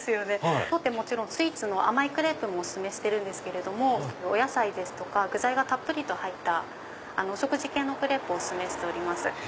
当店スイーツの甘いクレープもお薦めしてるんですけれどもお野菜ですとか具材がたっぷりと入ったお食事系のクレープをお薦めしております。